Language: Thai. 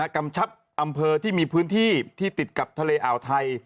กำชับอำเภอที่มีพื้นที่ที่ติดกับทะเลอ่าวไทย